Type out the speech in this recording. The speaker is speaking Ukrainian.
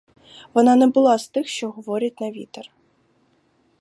Вона не була з тих, що говорять на вітер.